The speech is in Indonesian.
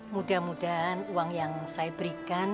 mudah mudahan uang yang saya berikan